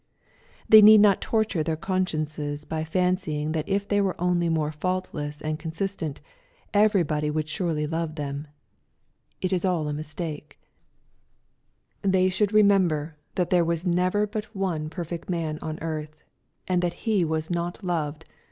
They need not torture their consciences by fancying that if they were onljf more faultless and consistent, every< liody weald surely love them. It is all a mistake. 126 EXPOSITORY THOUOHTfl. They should remember, that there was never but one perfect man on earth, and that He was not loved, but hated.